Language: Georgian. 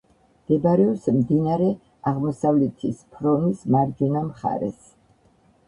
მდებარეობს მდინარე აღმოსავლეთის ფრონის მარჯვენა მხარეს.